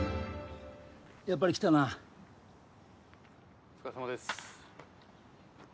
やっぱり来たなお疲れさまです